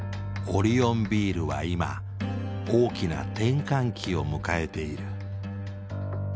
オリオンビールは今大きな転換期を迎えている。